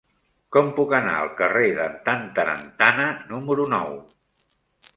Com puc anar al carrer d'en Tantarantana número nou?